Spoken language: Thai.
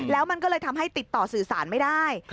แล้วมันก็เลยทำให้ติดต่อสื่อสารไม่ได้